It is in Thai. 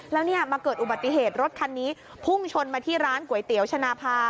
แล้วเนี่ยมาเกิดอุบัติเหตุรถคันนี้พุ่งชนมาที่ร้านก๋วยเตี๋ยวชนาภา